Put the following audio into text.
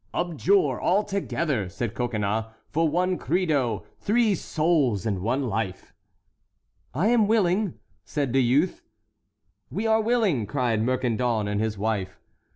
"Abjure all together," said Coconnas; "for one Credo, three souls and one life." "I am willing," said the youth. "We are willing!" cried Mercandon and his wife.